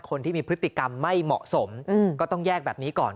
คนที่มีพฤติกรรมไม่เหมาะสมก็ต้องแยกแบบนี้ก่อน